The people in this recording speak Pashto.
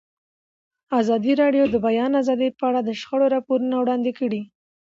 ازادي راډیو د د بیان آزادي په اړه د شخړو راپورونه وړاندې کړي.